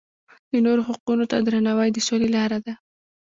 د نورو حقونو ته درناوی د سولې لاره ده.